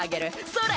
それ！